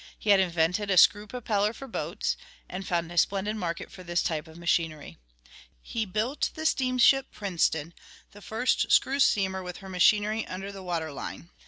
He had invented a screw propeller for boats, and found a splendid market for this type of machinery. He built the steamship Princeton, the first screw steamer with her machinery under the water line.